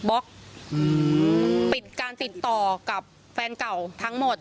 ไอ้หมอดูคนเนี้ยบอกให้เราอ่ะปิดการติดต่อกับแฟนเก่าทั้งหมด